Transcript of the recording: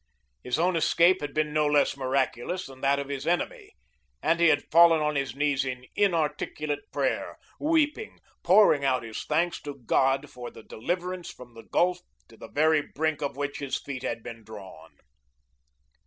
His own escape had been no less miraculous than that of his enemy, and he had fallen on his knees in inarticulate prayer, weeping, pouring out his thanks to God for the deliverance from the gulf to the very brink of which his feet had been drawn.